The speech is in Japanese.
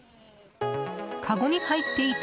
かごに入っていた